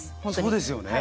そうですよね。